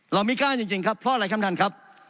ไม่กล้าจริงครับเพราะอะไรครับท่านครับ